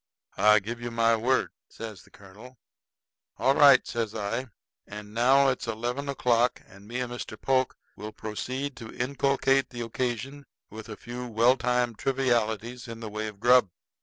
"I give you my word," says the colonel. "All right," says I; "and now it's eleven o'clock, and me and Mr. Polk will proceed to inculcate the occasion with a few well timed trivialities in the way of grub."